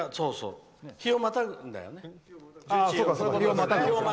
日をまたぐんだよね。